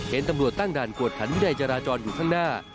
เห็นตำรวจตั้งด่านกวดขันวินัยจราจรอยู่ข้างหน้า